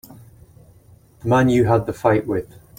The man you had the fight with.